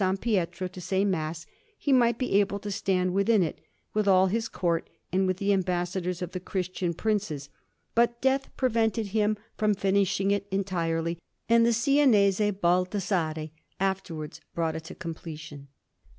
Pietro to say Mass, he might be able to stand within it with all his Court and with the Ambassadors of the Christian Princes; but death prevented him from finishing it entirely, and the Sienese Baldassarre afterwards brought it to completion.